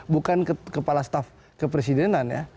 bukan kepala staff kepresidenan